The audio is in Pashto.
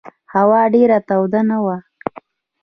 هوا ډېره توده نه وه.